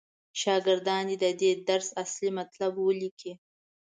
شاګردان دې د دې درس اصلي مطلب ولیکي.